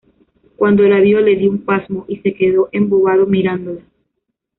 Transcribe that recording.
Cuando la vio le dio un pasmo y se quedó embobado mirándola